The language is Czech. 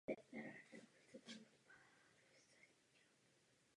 Diplomatické sbory Evropské unie již vytlačily diplomatické služby jednotlivých států.